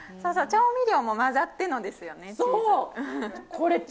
調味料も混ざってのですよね。